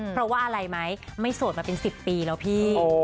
เพราะว่าอะไรไหมไม่โสดมาเป็น๑๐ปีแล้วพี่